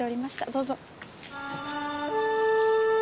どうぞ。